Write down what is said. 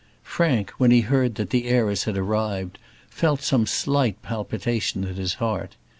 Frank, when he heard that the heiress had arrived, felt some slight palpitation at his heart.